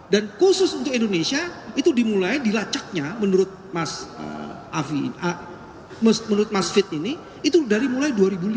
dan khusus untuk indonesia itu dimulai dilacaknya menurut mas fit ini itu dari mulai dua ribu lima